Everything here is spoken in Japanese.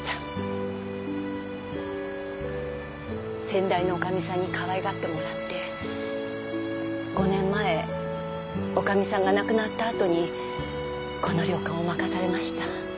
先代の女将さんにかわいがってもらって５年前女将さんが亡くなったあとにこの旅館を任されました。